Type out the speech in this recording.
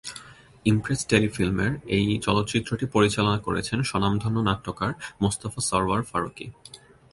Impress Telefilm এর এই চলচ্চিত্রটি পরিচালনা করেছেন স্বনামধন্য নাট্যকার মোস্তফা সরয়ার ফারুকী।